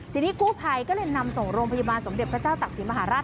ทีนี้กู้ภัยก็เลยนำส่งโรงพยาบาลสมเด็จพระเจ้าตักศิลมหาราช